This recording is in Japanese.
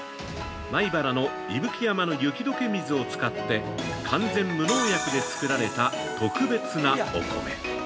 米原の伊吹山の雪解け水を使って完全無農薬で作られた特別なお米。